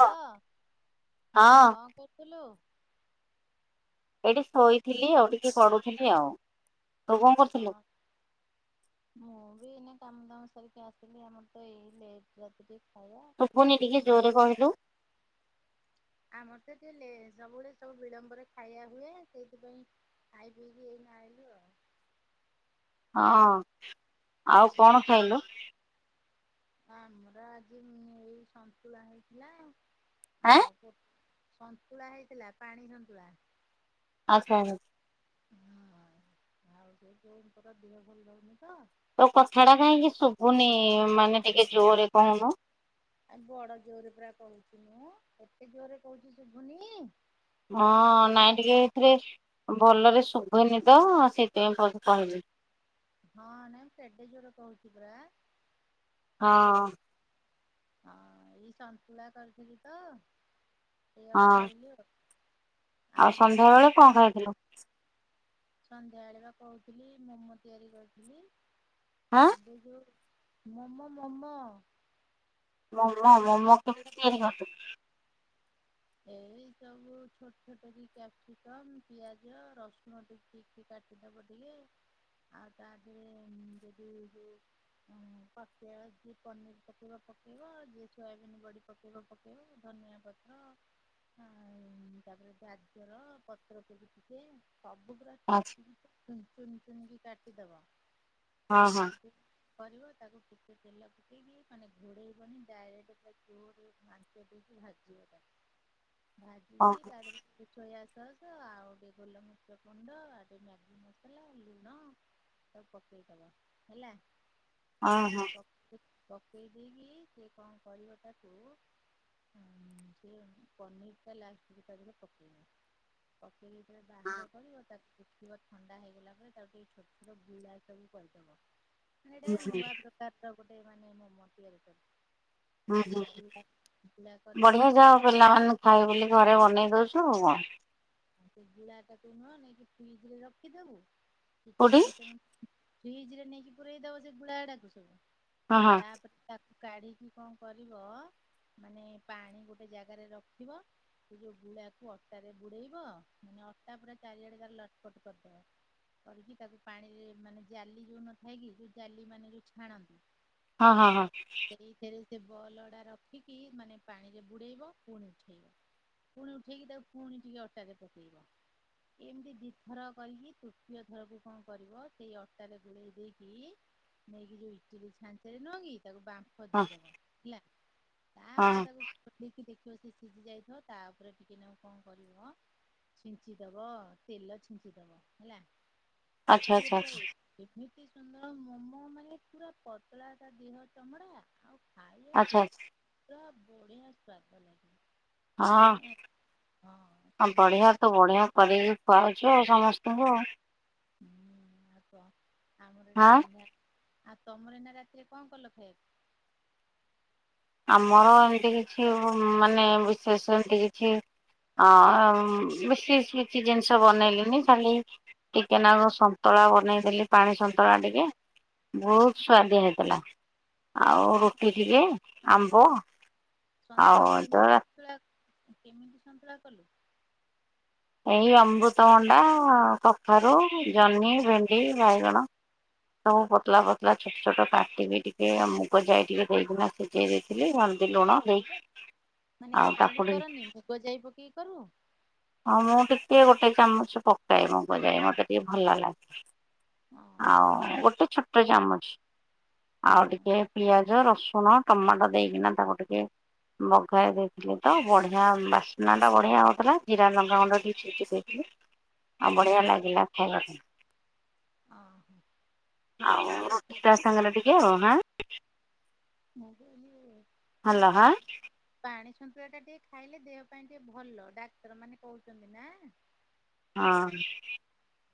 Hello ହଁ କଣ କରୁଥିଲୁ। ଏଇଠି ଶୋଇଥିଲି ଆଉ ଟିକେ ପଢୁଥିଲି ଆଉ। ତୁ କଣ ହଁ କରୁଥିଲୁ? ମୁଁ ବି ନା। କାମ ଦାମ ସାରିକି ଆସିଲି ଆମର ତ ଏଇ ଲେଟ୍ ରାତିି। ଶୁବୁନି ଟିକେ ଜୋରରେ କହିଲୁ। ଆମର ତ ଦେଥିଲେ ସବୁବେଳେ ସବୁ ବିଳମ୍ବରେ ଖାଇବା ହୁଏ ସେଇଥିପାଇଁ। ଖାଇ ପିଇକି ଏଇନ ଆଇଲୁ ଆଉ। ହଁ। ଆଉ କଣ ଖାଇଲୁ? ଆମର ଆଜି ଏଇ ସନ୍ତୁଳନ ହେଇଥିଲା। ଆଁ ଆଉ ସନ୍ତୁଳା ହେଇଥିଲା ପାଣି ସନ୍ତୁଳା ଆଚ୍ଛା ହୁଁ ଆଉ ଯୋଉ ବୋଉଙ୍କର ଦେହ ଭଲ ରହୁନି ତ ତୋ କଥାଟା କାହିଁକି ଶୁଭୁନି ମାନେ ଟିକେ ଜୋରରେ କହୁନୁ। ଆଉ ବଡ ଜୋରେ ପୁରା କହୁଛି ମୁଁ କେତେ ଜୋରରେ କହୁଛି ଶୁଭୁନି। ହଁ ନାଇଁ ଟିକେ ଏଥିରେ ଭଲରେ ଶୁଭୁନି ତ ସେଇଥିପାଇଁ ତତେ କହିଲି। ହଁ [inaudible] ହଁ ନାଇଁ କେଡେ ଜୋରେ କହୁଛି ପରା। ହଁ ହଁ ଏଇ ସନ୍ତୁଳା କରିଥିଲି ତ ହଁ ସେଇଆକୁ ଖାଇଲି ଆଉ ଆଉ ସନ୍ଧ୍ୟାବେଳେ କଣ ଖାଇଥିଲୁ? ସନ୍ଧ୍ୟାବେଳ ବା କହୁଥିଲି ମୋମୋ ତିଆରି କରିଥିଲି ଆଁ ଏବେ ଯୋଉ ମୋମୋ ମୋମୋ ମୋମୋ ମୋମୋ କେମିତି ତିଆରି କରିଥିଲୁ? ହଁ ଏଇ ସବୁ ଛୋଟ ଛୋଟ କରି କ୍ୟାପ୍ସିକମ ପିଆଜ ରସୁଣ ଟିକି ଟିକି କାଟିଦେବ ଟିକେ [inaudible] ଆଉ ତା ଦେହରେ ଯଦି ଯୋଉ ପକେଇବ ଯଦି ପନିର ପକେଇବ ପକେଇବ ଯଦି ସୋୟାବିନ ବଡି ପକେଇବ ପକେଇବ ଉ ଧନିଆ ପତ୍ର ତାପରେ ଗାଜର ପତ୍ରକୁ ବି ଟିକେ ସବୁଗୁଡା ଆଚ୍ଛା ଚୁନ ଚୁନ ଚୁନ କାଟିଦବା ହଁ ହଁ କାଟିକି କରିବ ତାକୁ ଟିକେ ତେଲ ପକେଇକି ମାନେ ଘୋଡେଇବନି ଡାଇରେକ୍ଟ ତାକୁ ଜୋର ଆଞ୍ଛ ଦେଇକି ଭଜିବା ତାକୁ ଭାଜିକି ଓହୋ ତା ପରେ ସୋୟା ସସ ଆଉ ଆଉ ଟିକେ ଗୋଲମରିଚ ଗୁଣ୍ଡ ଆଉ ଟିକେ ମ୍ୟାଗି ମସଲା ଲୁଣ ସବୁ ପକେଇଦବ ହେଲା ହଁ ହଁ ପକେଇ ଦେଇକି ସେ କଣ କରିବ ତାକୁ ଉ ସେ ପନିର ଟା ଲାଷ୍ଟକୁ ତା ଦେହରେ ପକେଇବ ପକେଇ ଦେଇକି ଯେତେବେଳେ ବାହାର ହୁଁ କରିବ ତା ଥଣ୍ଡା ହେଇଗଲା ପରେ ତାକୁ ଟିକେ ଛୋଟ ଛୋଟ ଗୁଳା ସବୁ କରିଦବ ଏଇଟା ହୁଁ ନୂଆ ପ୍ରକାରର ଗୋଟେ ମାନେ ମୋମୋ ତିଆରି କରବ। ହୁଁ ହୁଁ ବଢିଆ କରିଦେଇକି ଯାଅ ପିଲାମାନଙ୍କୁ ଖାଇବୁ ବୋଲି ଘରେ ବନେଇ ଦଉଛୁ କଣ। ହଁ ସେ ଗୁଳା ଟାକୁ ନୁହ ନେଇକି ଫ୍ରିଜ ରେ ରଖିଦବୁ କିଛି କୋଉଠି ପାଞ୍ଚ ମିନିଟ। ଫ୍ରିଜ ରେ ନେଇକି ପୁରେଇ ଦବ ସେ ଗୁଳା ଟାକୁ ସବୁ ହଁ ହଁ ତାପରେ ତା କୁ କାଢିକି କଣ କରିବ। ମାନେ ପାଣି ଗୋଟେ ଜାଗାରେ ରଖିବ ସେ ଯୋଉ ଗୁଳାକୁ ଅଟାରେ ବୁଡେଇ। ବ ମାନେ ଅଟା ପୁରା ଚାରିଆଡେ ତାର ଲଟପଟ କରିଦବ। କରିକି ତାକୁ ପାଣିରେ ମାନେ ଜାଲି ଯୋଉ ନଥାଏ କି ଯୋଉ ଜାଲି ମାନେ ଯୋଉ ଛାଣନ୍ତି। ହଁ ହଁ ହଁ। ସେଇଥିରେ ସେ ବଲ ଗୁଡା ରଖିକି ମାନେ ପାଣିରେ ବୁଡେଇବ ପୁଣି ଉଠେଇବ। ପୁଣି ଉଠେଇକି ତାକୁ ପୁଣି ଟିକେ ଅଟାରେ ପକେଇବ। ଏମିତି ଦିଥର କରିକି ତୃତୀୟ ଥରକୁ କଣ କରିବ ସେଇ ଅଟାରେ ଗୋଳେଇ ଦେଇକି। ନେଇକି ଯୋଉ ଇଟିଲି ଛାଞ୍ଚରେ ନୁହଁକି ତାକୁ ବାମ୍ଫ ହଁ ଦେଇଦବ ହେଲା। ତାପରେ ହଁ ତାକୁ ଖୋଲିକି ଦେଖିବ ସେ ସିଝି ଯାଇଥିବ ତା ଉପରେ ଟିକେ ନାକୁ କଣ କରିବ। ଛିଞ୍ଚିଦବ ତେଲ ଛିଞ୍ଚିଦବ ହେଲା। ଆଚ୍ଛା ସିଏ ଆଚ୍ଛା ପୁରା ଏ-ଏମ ଛି ସୁନ୍ଦର ମୋମୋ ମାନେ ପୁରା ପତଳା ତା ଦିହ ଚମଡା ଆଉ ଖା ଆଚ୍ଛା ଆଚ୍ଛା। ପୁରା ବଢିଆ ସ୍ୱାଦ ଲାଗିବ। ହଁ ସନ୍ଧ୍ୟାବେଳେ ବଢିଆ ଯେ ତୁ ବଢିଆ କରିକି ଖୁଆଉଚ ତୁ ସମସ୍ତଙ୍କୁ। ହୁଁ ଆଉ କ ଆମର ଏଇଠି ହାଁ ସନ୍ଧ୍ୟା ଆ ତମର ଏଇନା ରାତିରେ କଣ କଲ ଖାଇବାକୁ? ଆମର ଏମିତି କିଛି ଉଁ ମାନେ ବିଶେଷ ଏମିତି କିଛି। ହଁ ଉଁ ବେଶୀ ଶିଝି ଜିନିଷ ବନେଇଲିନି ଖାଲି। ଟିକେ ନାକୁ ସନ୍ତୁଳା ବନେଇଦେଲି ପାଣି ସନ୍ତୁଳା ଟିକେ। ବହୁତ ସୁଆଦିଆ ହେଇଥିଲା ଆଉ ହଁ ରୁଟି ଟିକେ ଆମ୍ବ। ଆଉ ସନ୍ତୁଳା କେମି ତ ତୁଳା କେମିତି ସନ୍ତୁଳା କଲୁ? ଏଇ ଅମୃତଭଣ୍ଡା ଅ କଖାରୁ ଜହ୍ନି ଭେଣ୍ଡି ବାଇଗଣ। ସବୁ ପତଳା ପତଳା ଛୋଟ ଛୋଟ କାଟିକି ଟିକେ ମୁଗ ଯାଇ ଟିକେ ଦେଇକିନା ସିଝେଇ ଦେଇଥିଲି ଓ ଏମିତି ଲୁଣ ଦେଇକି। ମାନେ ଆଉ ତାକୁ ଖାଲି ଟିକେ କରନି ମୁଗ ଯାଇ ପକେଇ କରୁ? ହଁ ମୁଁ ଟିକେ ଗୋଟେ ଚାମଚ ପକାଏ ମୁଗ ଜାଇ ମତେ ଟିକେ ଭଲ ଲାଗେ। ହଁ ଆଉ ହଁ ଗୋଟେ ଛୋଟ ଚାମଚ। ଆଉ ହଁ ଟିକେ ତା ପିଆଜ ରସୁଣ ଟମାଟୋ ଦେଇକିନା ତାକୁ ଟିକେ। ବଘାରି ଦେଇଥିଲି ତ ବଢିଆ ବାସ୍ନା ଟା ବଢିଆ ହଉଥିଲା ଜି ଜିରା ଲଙ୍କା ଗୁଣ୍ଡ ଟିକେ ଛିଞ୍ଚିଦେଇଥିଲି ଆଉ ବଢ଼ିଆ ହଁ ଲାଗିଲା ଖାଇବା ପାଇଁ। ହଁ ଆଉ ଏ ରୁଟି ତା ସାଙ୍ଗରେ ଟିକେ ଆଉ ନା। ମୁଁ କହିଲି ଏଇ ପା-ପାଣି ସନ୍ତୁଳା ଟା ଟିକେ ଖାଇଲେ ଦେହ ପାଇଁ ଟିକେ ଭଲ ଡାକ୍ତର ମାନେ କହୁଛନ୍ତି ନା। ହଁ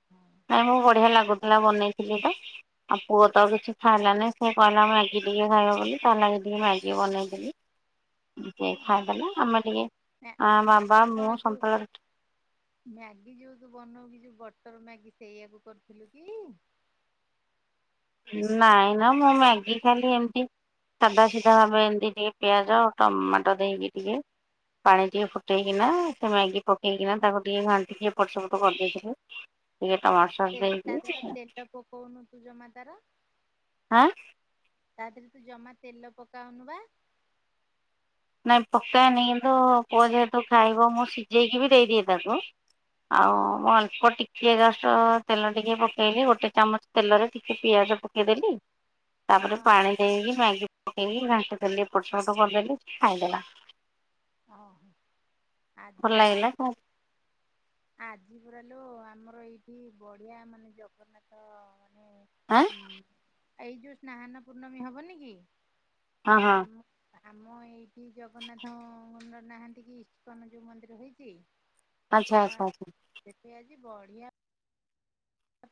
ହଁ ଆମକୁ ବଢିଆ ଲାଗୁ ଲା ବନେଇଥିଲି ତ ଆଉ ପୁଅ ତ କିଛି ଖାଇଲାନି ସେ କହିଲା ମାଗି ଟିକେ ଖାଇବ ବୋଲି ତା ଲାଗି ଟିକେ ମ୍ୟାଗି ବନେଇଦେଲି। ଟିକେ ଖାଇଦେଲା ଆମେ ଟିକେ ମ୍ୟା ଆଁ ବାବା ମ୍ୟାଗି ମୁଁ କଣ ଯୋଉ ସନ୍ତୁଳା ରୁଟି। ଯଉ ବନଉ କି ଯଉ ବଟର ମ୍ୟାଗି ସେଇଆକୁ କରିଥିଲୁ କି? ନାଇଁ ନା ମୁଁ ମ୍ୟାଗି ଖାଲି ଏମିତି। ସାଧା ସିଧା ଭାବେ ଏମିତି ଟିକେ ପିଆଜ ଟମାଟୋ ଦେଇକି ଟିକେ। ପାଣି ଟିକେ ଫୁଟେଇକିନା ସେ ମ୍ୟାଗି ପକେଇକିନା ତାକୁ ଟିକେ ଘାଣ୍ଟିିକି ଏପଟସେପଟ କରିଦେଇଥିଲି ଟିକେ ଟମାଟୋ ସସ୍ ତେଲ ତା ଦେହରେ ପା ଦେଇକି ତେଲ ପକଉନୁ ତୁ ଜମା ତାର। ଆଁ। ତା ଦେହରେ ତୁ ଜମା ତେଲ ପକାଉନୁ ପା। ନାଇଁ ପକ୍କା ହେନି କିନ୍ତୁ ପୁଅ ଯେହେତୁ ଖାଇବ ମୁଁ ସିଝେଇକି ବି ଦେଇଦିଏ ତାକୁ। ଆଉ ହଁ ମୁଁ ଅଳ୍ପ ଟି ଟିକେ ଜଷ୍ଟ୍ ତେଲ ଟିକେ ପକେଇଲି ଗୋଟେ ଚାମଚ ତେଲରେ ଟିକେ ପିଆଜ ପକେଇଦେଲି ତାପରେ ହଁ ପାଣି ଦେଇକି ମ୍ୟାଗି ପକେଇକି ଘାଣ୍ଟି ଦେଲି ଏପଟସେପଟ କରିଦେଲି। ଖାଇଦେଲା। ଓହୋ ଭଲ ଆଜି ଆ ଲାଗିଲା ଆଜି ପୁରା ଲୋ ଆମର ଏଇଠି ବଢିଆ ମାନେ ଜଗନ୍ନାଥ ମାନେ ଆଁ ଉ ଏଇ ଯୋଉ ସ୍ନାନ ପୂର୍ଣ୍ଣମୀ ହବନି କି ହଁ ହଁ ଆମ ଆମ ଏଇଠି ଜଗନ୍ନାଥ ମନ୍ଦିର ନାହାନ୍ତି କି ଇସକନ ଯୋଉ ମନ୍ଦିର ହେଇଛି। ଆଚ୍ଛା ଆ ଆଚ୍ଛା ଆଚ୍ଛା। ସେଠି ଆଜି ବଢିଆ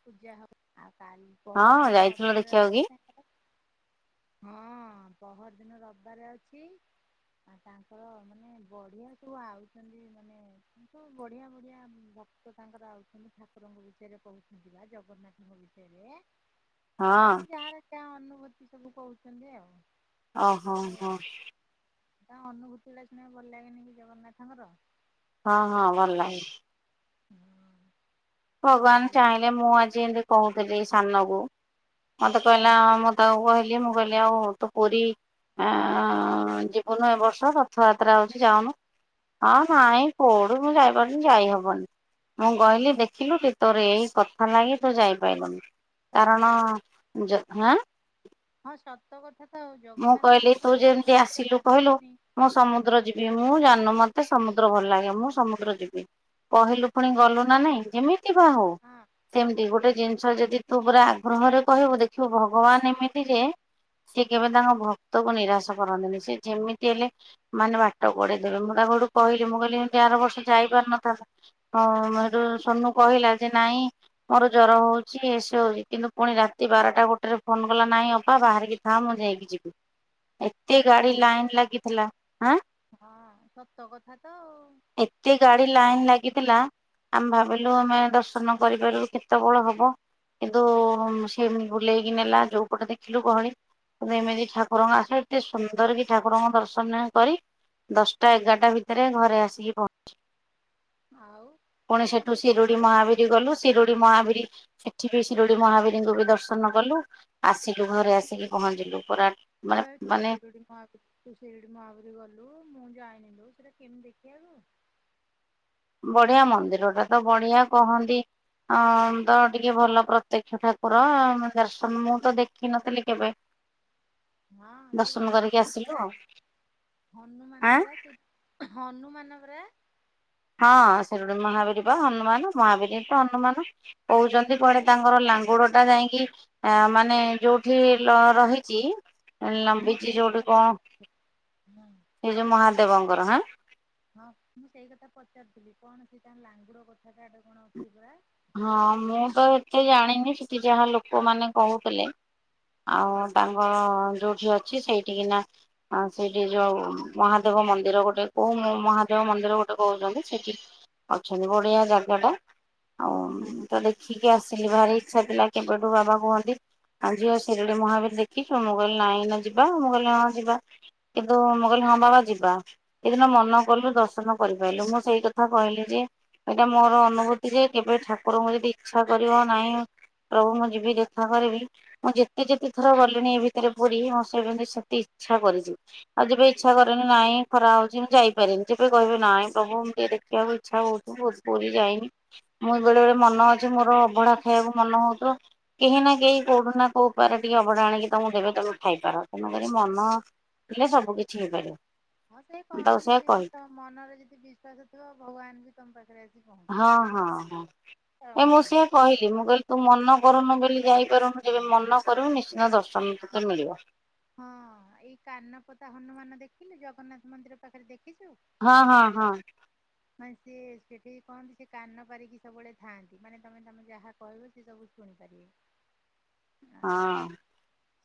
ପୂଜା ହବ ଆଉ କାଲି ହଁ ପହରଦିନ ଯାଇଥିଲ ରବିବାର ଦେଖିବାକୁ ଅଛି କି ତାଙ୍କର ହଁ ପହର ଦିନ ରବିବାର ଅଛି। ଆ ତାଙ୍କର ମାନେ ବଢିଆ ସବୁ ଆଉଛନ୍ତି ମାନେ କିନ୍ତୁ ବଢିଆ ବଢିଆ ଭକ୍ତ ତାଙ୍କର ଆଉଛନ୍ତି ଠାକୁରଙ୍କ ବିଷୟରେ କହୁଛନ୍ତି ବା ଜଗନ୍ନାଥଙ୍କ ବିଷୟରେ ହଁ ମାନେ ଯାହାର ଯାହା ଅନୁଭୂତି ସବୁ କହୁଛନ୍ତି ଆଉ। ଓ ହୋ ହୋ। ତାଙ୍କ ଅନୁଭୂତି ଗୁଡ଼ାକ ଶୁଣିବାକୁ ଭଲ ଲାଗେନି କି ଜଗନ୍ନାଥଙ୍କର। ହଁ ହଁ ଭଲ ଲାଗେ। [inaudible] ଭଗବାନ ଆଉ ଚାହିଁଲେ ମୁଁ ଆଜି ଏମିତି କହୁଥିଲି ସାନକୁ ମତେ କହିଲା ହଁ ମୁଁ ତାକୁ କହିଲି ମୁଁ କହିଲି ଆଉ ତୁ ପୁରୀ ଆ ଯିବୁନୁ ଏ ବର୍ଷ ରଥଯାତ୍ରା ହଉଛି ଯାଉନୁ। ହଁ ନାଇଁ କୋଉଠୁ ମୁଁ ଯାଇପାରୁଚି, ଯାଇହବନି ମୁଁ କହିଲି ଦେଖି ତୋର ଏଇ କଥା ଲାଗି ତୁ ଯାଇପାରିଲୁନି। କାରଣ ସ ଯ ହଁ। [inaudible] ହଁ ସତ କଥା ତ ଆଉ ମୁଁ ଜଗନ୍ନାଥଙ୍କୁ କହିଲି ତୁ ଯେତେବେଳେ ମନ ଯେମିତି ଭିତରେ ଆସିଲୁ କହିଲୁ ଭାବିବନି ମୁଁ ସମୁଦ୍ର ହଁ ଯିବି ମୁଁ ଜାଣୁନୁ ମତେ ସମୁଦ୍ର ଭଲ ଲାଗେ ମୁଁ ସମୁଦ୍ର ଯିବି କହିଲୁ ପୁଣି ଗଲୁ ନା ନାଇଁ। ଯେମିତି ବା ହଉ ହଁ ସେମିତି ସତ ଗୋଟେ କଥା ଜିନିଷ ଯଦି ତୁ ପୁରା ଆଗ୍ରହରେ କହିବୁ ଦେଖିବୁ ଭଗବାନ ଏମିତି ଯେ ସେ କେବେ ତାଙ୍କ ଭକ୍ତକୁ ନିରାଶ କରନ୍ତିନି। ସେ ଯେମିତି ହେଲେ ମାନେ ବାଟ କଢେଇ ଦେବେ। ମୁଁ ତା ହେଠୁ କହିଲି ମୁଁ କହିଲି ହେନ୍ତି ଆର ବର୍ଷ ଯାଇପାରିନଥାନ୍ତୁ। ଏଠୁ କହିଲା ଯେ ନାଇଁ ମୋର ଜର ହଉଛି ଏସ ହଉଛି। କିନ୍ତୁ ପୁଣି ରାତି ବାରଟା ଗୋଟେରେ ଫୋନ କଲା ନହିଁ ଅପା ବାହାରିକି ଥା ମୁଁ ଯାଇକି ଯିବି। ଏତେ ଆରେ ତୁ ଗାଡି ଯୋଉ ଲାଇନ ଲାଗିଥିଲା। ଆଁ ହଁ ସତ କଥା ତ। ଏତେ ଗାଡି ଲାଇନ ଲାଗିଥିଲା ଆମେ ଭାବିଲୁ ଆମେ ଦର୍ଶନ କରିପାରିଲୁ କେତେ ବଳ ହବ। କିନ୍ତୁ ସେମିତି ବୁଲେଇକି ନେଲା ଯୋଉ ପଟେ ଦେଖିଲୁ ଗହଳି ଏମିତି ଠାକୁରଙ୍କ ଆସିଲେ ଏତେ ସୁନ୍ଦର କି ଠାକୁରଙ୍କ ଦର୍ଶନ କରି ଦଶଟା ଏଗାରଟା ଭିତରେ ଘରେ ଆସିକି ପହଞ୍ଚି ଆଉ ଆଉ କାଇଁ ତୁ ଶିରୁଡି ଥରେ ତୁ ମହାବୀର ଗଲୁ ଶିରୁଡି ମହାବୀର ସେଠି ବି ଶିରୁଡି ମହାବୀରଙ୍କୁ ବି ଦର୍ଶନ କଲୁ ଆସିଲୁ ଘରେ ଆସିକି ପହଞ୍ଚିଲୁ ପରା ହେଠୁ ଶିରୁଡ଼ି ମହାବୀର ଶିରୁଡି ମହାବୀର ମୁଁ ଜାଣିନି ସେଟା କେମିତି ଦେଖିବାକୁ? ବଢିଆ ମନ୍ଦିର ଟା ତ ବଢିଆ କହନ୍ତି। ହଁ ତ ଟିକେ ଭଲ ପ୍ରତ୍ୟକ୍ଷ ଠାକୁର। ଦର୍ଶନ ମୁଁ ତ ଦେଖିନଥିଲି କେବେ। [inaudible] ହଁ ଯ ଦର୍ଶନ କରିକି ହନୁମାନ ଆସିଲୁ ପରା ଆଉ ହନୁମାନ ଆଁ ପରା ସେଇଠି ହନୁମାନପରା ହଁ ସେଠ ମହାବୀର ବା ହନୁମାନ ମହାବୀର ତ ହନୁମାନ କହୁଛନ୍ତି, ନାଇଁ କୁଆଡେ ନାଇଁ ସେଠି ତାଙ୍କର ତୁ କ ଲାଙ୍ଗୁଡ ଟା ଯାଇକି ଆ ମାନେ ଯୋଉଠି ରହିଛି ହଁ ମୁଁ ଲମ୍ବିଛି ସେଇ ଯୋଉଠି କଥା କଣ, ପଚାରୁଥିଲି ହଁ ସେଇ ଯୋଉ ମହାଦେବଙ୍କର ହ ହଁ ମୁଁ ସେଇ କଥା ପଚାରୁଥିଲି କଣ ସେ ତାଙ୍କ ଲାଙ୍ଗୁଡ କଥା କାଡେ କଣ ଅଛି ପୁରରା ହଁ ମୁଁ ତ ଏତେ ଜାଣିନି ସେଠି ଯାହା ଲୋକମାନେ କହୁଥିଲେ ଆଉ ହଁ। ତାଙ୍କର ଯୋଉ ଅଛି, ସେଇଠିକିନା ସେଇଠି ଯୋଉ ମହାଦେବ ମନ୍ଦିର ଗୋଟେ, କୋଉ ମହାଦେବ ମନ୍ଦିର ଗୋଟେ କହୁଛନ୍ତି, ସେଠି ଅଛନ୍ତି, ବଢିଆ ଜାଗା ଟା ଆଉ ହଁ। ତ ଦେଖିକି ଆସିଲି, ଭାରି ଇଛା ପିଲା କେବେଠୁ ବାବା କୁହନ୍ତି ଆ ଝିଅ ଶିରିଡି ମହାବୀର ଦେଖିଛୁ? ମୁଁ କହିଲି ନାଇ, ନା ଯିବା, ମୁଁ କହିଲି ହଁ ଯିବା, କିନ୍ତୁ ମୁଁ ହ ବାବା ଯିବା, ଏଦିନ ମନ କଲୁ ଦର୍ଶନ କରିପାରିଲୁ, ମୁଁ ସେଇ କଥା କହିଲି ଯେ ଏଇଟା ମୋର ଅନୁଭୂତି ଯେ କେବେ ଠାକୁରଙ୍କୁ ଯଦି ଇଚ୍ଛା କରିବ, ନାହିଁ ପ୍ରଭୁ ମୁଁ ଯିବି ଦେଖା କରିବି, ମୁଁ ଯେତେ ଯେତେ ଥର ଗଲିଣି ଏ ଭିତରେ ପୁରୀ ମ ସେମିତି ସେ ଇଛା କରିଛି ଆଉ ଯେବେ ଇଚ୍ଛା କରିନି, ନାଇଁ ଖରା ହଉଛି ମୁଁ ଯାଇପାରେନି, ଯେବେ କହିବେ ନାଇଁ ପ୍ରଭୁ ଏତି ଦେଖ ଆ ଇଚ୍ଛା ହଉଛି, ଭୋ [unintelligible] ପୁରୀ ଯାଇନି। ମୁଁ ବେଳେ ବେଳେ ମନ ଅଛି, ମୋର ଅଭଢା ଖାଇବାକୁ ମନ ହଉଥିବ କେହି ନା କେହି କୋଉଠୁ ନା କୋଉପାର ଟିକେ ଅବଢା ଆଣିକି ତମକୁ ଦେବେ ତମେ ଖାଇପାର, ତେଣୁକରି ମନ ହେଲେ, ସବୁ କିଛି ହେଇପାରିବ। ହଁ ସେ ମୁଁ ତାକୁ କହନ୍ତିନି, ସେଇଆ କହିଲି ଯେ ମନରେ ଯଦି ବିଶ୍ଵାସ ଥିବ ଭଗବାନ ବି ତମ ପାଖରେ ଆସିବ ହଁ ହଁ ହଁ ଏ ଆଉ ମୁଁ କଣ? ସିଏ କହିଲି, ମୁଁ କହିଲି ତୁ ମନ କରନୁ ବୋଲି ଯାଇପାରୁନୁ, ଯେବେ ମନ କରିବୁ ନିଶ୍ଚିନ୍ତ ଦର୍ଶନ ତତେ ମିଳିବ। ହଁ ଏଇ କାନପତା ହନୁମାନ ଦେଖିଲେ, ଜଗନ୍ନାଥ ମନ୍ଦିର ପାଖରେ ଦେଖ ହଁ ହଁ ହଁ ମାନେ ସି ସେଠିକ କହନ୍ତି ସେ କାନ ପାରିକି ସବୁବେଳେ ଥାନ୍ତି, ମାନେ ତମେ ତମେ ଯାହା କହିବ ସ ସେ ସବୁ ଣିପାରିବ [unintelligible] ହଁ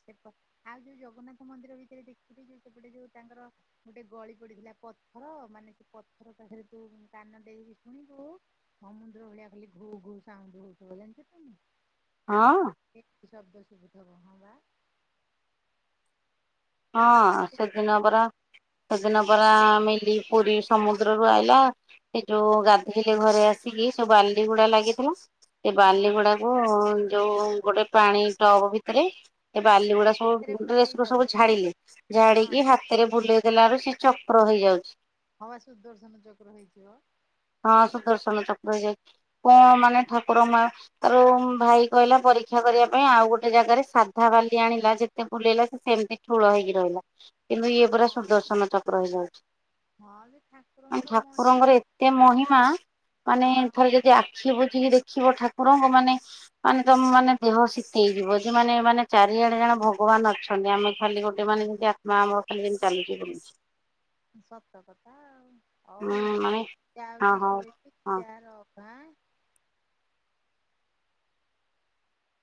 ସେପ ଆଉ ଯୋଉ ଜଗନ୍ନାଥ ମନ୍ଦିର ଭିତରେ ଦେଖଥିଲି, ଯୋଉ ସେପଟେ ଯୋଉ ତାଙ୍କର ଗୋଟେ ଗଳି ପଡିଥିଲା ପଥର ମାନେ ସେ, ପଥର ତା ତୁ କାନ ଦେଇକି ଶୁଣିବୁ, ସମୁଦ୍ର ଭଳିଆ ଖଲି ଘୁ ଘ ସାଙ୍ଗ ଭ ଜାଣିଛ ତୁମ ହଁ ଶବ୍ଦ ଶୁବୁଧବହ ବା ହଁ, ଗୋଟେ ସେ ଦିନ ପରା ସେଦିନ ପରା ମିଲି ପୁରୀ ସମୁଦ୍ରରୁୁ ଆଇଲା, ସେ ଯୋଉ ଗାଧୋଇରେ ଘରେ ଆସି ସବୁ ବାଲି ଗୁଡା ଲାଗିଥିଲା ସେ ହଁ ବାଲି ଗୁଡାକୁ ଯୋଉ ଗୋଟେ ପାଣି ଟବ ଭିତରେ ଏ ବାଲି ଗୁଡା ଯୋଉ ହାତରେ ସବୁ ଡ୍ରେସ ରୁ ସବୁ ବୁଲେଇଦବ ନା ଝାଡିଲେ, ହଁ ଝାଡିକି ହାତରେ ବୁଲେଇ ଦେଲାରୁ ଚକ୍ର ହେଇଯାଉଛି। ହବା ସୁଦର୍ଶନ ଚକ୍ର ହେଇଥିବ। ରହିଯାଇଛି, କଣ ମାନେ ଠାକୁର ମା ଆ ଭାଇ କହିଲା, ପରୀକ୍ଷା କରିବା ପାଇଁ ଆଉ ଗୋଟେ ଜାଗାରେ ସାଧା ବାଲି ଆଣିଲା ଯେତେ ବୁଲେଇଲା ସେ ସେମିତି ଥୁଳ ହେଇକି ରହିଲା କିନ୍ତୁ ଇଏ ପୁରା ହଁ ସୁଦର୍ଶନ ଚାପ ହେଇଯାଉଛି। ହଁ ଯେ ଠାକୁରଙ୍କର ଠାକୁରଙ୍କର ମହିମା ଏତେ ମହିମା ମାନେ, ହଁ ଥରେ ଯଦି ଆଖି ବୁଝିକି ଦେଖିବ ଠାକୁ ଠାକୁରଙ୍କୁ, ମାନେ ମାନେ ତମ ମାନେ ଦେହ ଶୀତ ହେଇଯିବ ଯେ ମାନେ ମାନେ ଚାରିଆଡେ ଜଣ ଭଗବାନ ଅଛନ୍ତି, ଆମେ ଖାଲି ଗୋଟେ ମାନେ, ଯେମତି ଆତ୍ମା ଆମର ଯେମିତି ଚାଲୁଛି ବୁଲୁଛି। ସତ କଥା ଆଉ, ହଉ ହୁଁ ମାନେ ଯ ହଁ ହଉଛି ହଉ ଶୋଇଛି ହଁ। ଯ ର ଆଁ [unintelligible]